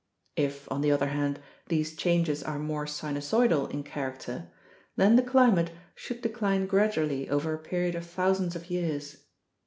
If, on the other hand, these changes are more sinusoidal in character, then the climate should decline gradually over a period of thousands of years.